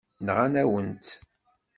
Nɣan-awen-tt.